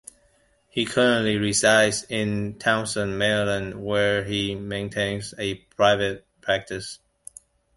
He currently resides in Towson, Maryland, where he maintains a private practice.